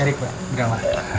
eric pak gama